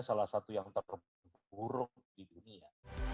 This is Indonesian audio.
salah satu yang terburuk di dunia